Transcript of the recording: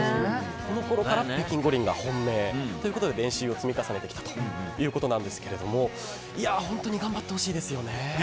このころから北京オリンピックが本命ということで練習を積み重ねてきたということなんですけど本当に頑張ってほしいですよね。